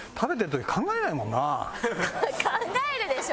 考えるでしょ！